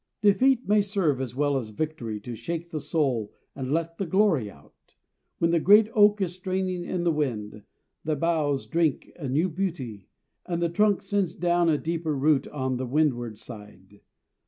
Defeat may serve as well as victory To shake the soul and let the glory out. When the great oak is straining in the wind, The boughs drink in new beauty, and the trunk Sends down a deeper root on the windward side.